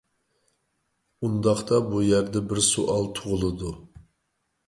ئۇنداقتا بۇ يەردە بىر سوئال تۇغۇلىدۇ.